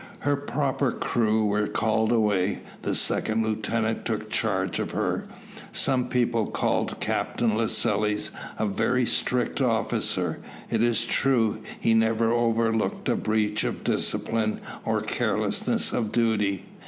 Her proper crew were called away. The second lieutenant took charge of her. Some people called Captain Lascelles a very strict officer. It is true he never overlooked a breach of discipline or carelessness of duty.